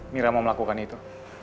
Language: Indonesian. mira mau melakukan itu